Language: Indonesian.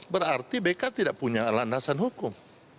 berarti bk tidak punya landasan hukum